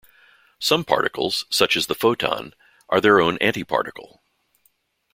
Some particles, such as the photon, are their own antiparticle.